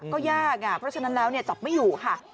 ก็ยากเพราะฉะนั้นแล้วจับไม่อยู่ค่ะ